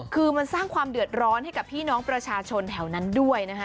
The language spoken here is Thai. คือมันสร้างความเดือดร้อนให้กับพี่น้องประชาชนแถวนั้นด้วยนะคะ